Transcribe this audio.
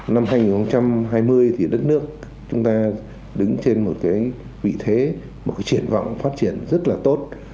năm hai nghìn hai mươi thì đất nước chúng ta đứng trên một cái vị thế một cái triển vọng phát triển rất là tốt